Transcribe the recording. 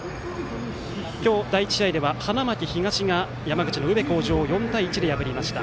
今日、第１試合では花巻東が山口の宇部鴻城を４対１で破りました。